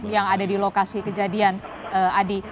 yang ada di lokasi kejadian adi